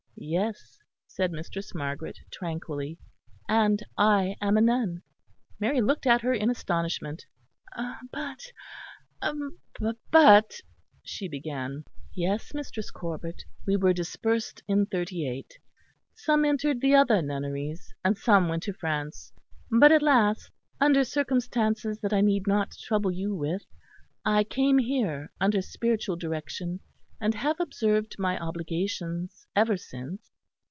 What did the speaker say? "Yes," said Mistress Margaret, tranquilly, "and I am a nun." Mary looked at her in astonishment. "But, but," she began. "Yes, Mistress Corbet; we were dispersed in '38; some entered the other nunneries; and some went to France; but, at last, under circumstances that I need not trouble you with, I came here under spiritual direction, and have observed my obligations ever since."